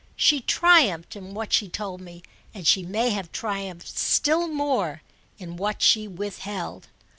She triumphed in what she told me and she may have triumphed still more in what she withheld.